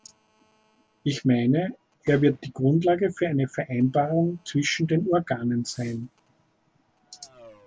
Ich meine, er wird die Grundlage für eine Vereinbarung zwischen den Organen sein.